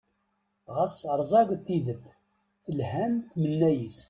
Ɣas rẓaget tidet, telhan tmenna-is.